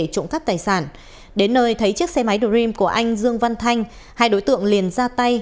trộm cắp tài sản đến nơi thấy chiếc xe máy dream của anh dương văn thanh hai đối tượng liền ra tay